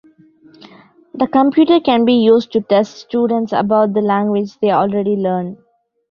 The computer can be used to test students about the language they already learn.